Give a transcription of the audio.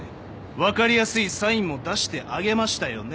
分かりやすいサインも出してあげましたよね？